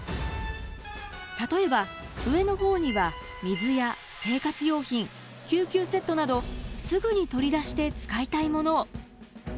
例えば上のほうには水や生活用品救急セットなどすぐに取り出して使いたいものを。